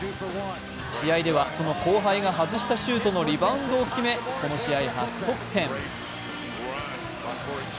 試合では、その後輩が外したシュートのリバウンドを決め、この試合初得点。